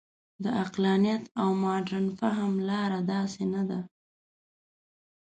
د عقلانیت او مډرن فهم لاره داسې نه ده.